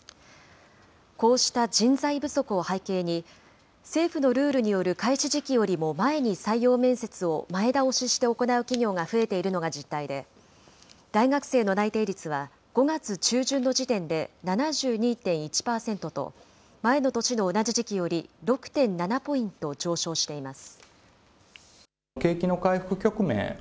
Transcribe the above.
こうした人材不足を背景に、政府のルールによる開始時期よりも前に採用面接を前倒しして行う企業が増えているのが実態で、大学生の内定率は５月中旬の時点で７２．１％と、前の年の同じ時期より６．７ポイント上昇しています。